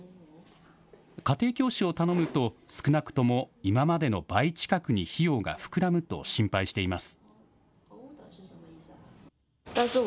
家庭教師を頼むと、少なくとも今までの倍近くに費用が膨らむと心配しています。